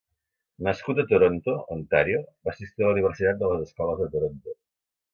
Nascut a Toronto, Ontario, va assistir a la Universitat de les Escoles de Toronto.